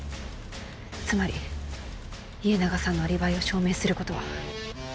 つまり家長さんのアリバイを証明することは。